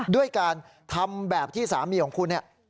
ด้วยการทำแบบที่สามีของคุณเนี่ย